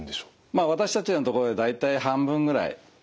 まあ私たちのところで大体半分ぐらいですかね。